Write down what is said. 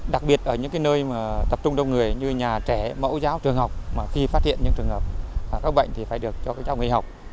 đặc biệt ở những nơi mà tập trung đông người như nhà trẻ mẫu giáo trường học mà khi phát hiện những trường hợp các bệnh thì phải được cho các cháu nghỉ học